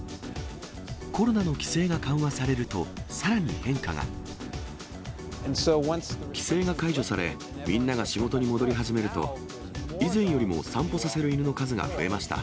コロナの規制が緩和されると、規制が解除され、みんなが仕事に戻り始めると、以前よりも散歩させる犬の数が増えました。